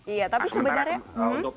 iya tapi sebenarnya